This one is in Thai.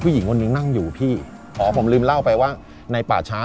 คู่หนึ่งอยู่ขอบยาง